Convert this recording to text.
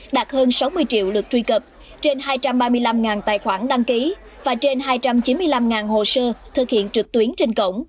đạt hơn sáu mươi triệu lượt truy cập trên hai trăm ba mươi năm tài khoản đăng ký và trên hai trăm chín mươi năm hồ sơ thực hiện trực tuyến trên cổng